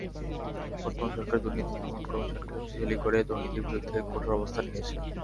বর্তমান সরকার দুর্নীতি দমন কমিশনকে শক্তিশালী করে দুর্নীতির বিরুদ্ধে কঠোর অবস্থান নিয়েছে।